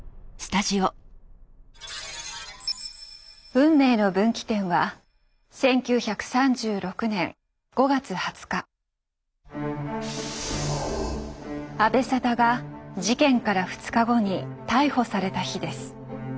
運命の分岐点は阿部定が事件から２日後に逮捕された日です。